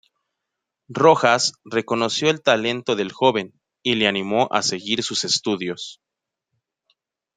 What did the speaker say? Rojas reconoció el talento del joven y le animó a seguir sus estudios.